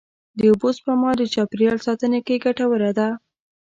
د اوبو سپما د چاپېریال ساتنې کې ګټوره ده.